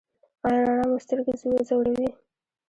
ایا رڼا مو سترګې ځوروي؟